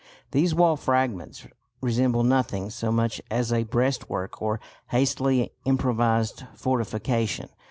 These wall fragments resemble nothing so much as a breastwork or hastily improvised fortification.